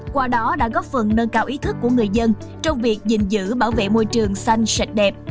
qua đó đã góp phần nâng cao ý thức của người dân trong việc giữ bảo vệ môi trường xanh sạch đẹp